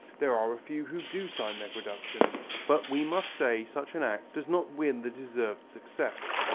There are a few who do sign their productions, but we must say such an act does not win the deserved success.